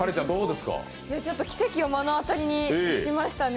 奇跡を目の当たりにしましたね。